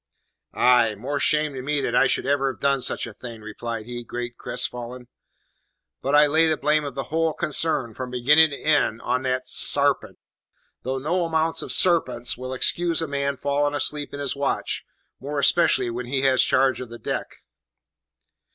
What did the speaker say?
"Ay! more shame to me that I should ever have done such a thing," replied he, greatly crestfallen; "but I lay the blame of the whole consarn, from beginnin' to end, on that sarpent, though no amount of sarpents will excuse a man fallin' asleep in his watch, more especially when he has charge of the deck."